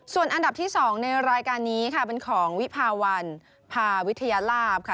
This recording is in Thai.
ส่วนอันดับที่๒ในรายการนี้ค่ะเป็นของวิภาวันพาวิทยาลาภค่ะ